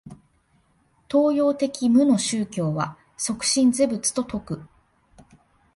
東洋的無の宗教は即心是仏と説く。